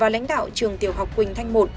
lãnh đạo trường tiểu học quỳnh thanh i